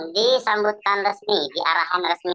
disambutkan resmi diarahkan resmi